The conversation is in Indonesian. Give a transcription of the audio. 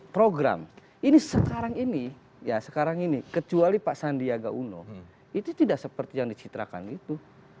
program ini sekarang ini ya sekarang ini kecuali pak sandiaga uno itu tidak seperti yang dicitrakan gitu